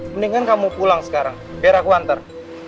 mendingan kamu pulang sekarang biar aku hantar